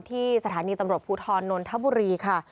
ที่สถานีตำรวจภูทรนนทบุรีค่ะ